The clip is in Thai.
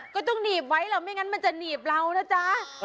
ก็ต้องหนีบไว้หรอกไม่งั้นมันจะหนีบเรานะจ๊ะ